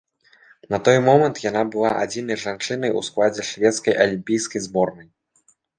На той момант яна была адзінай жанчынай у складзе шведскай алімпійскай зборнай.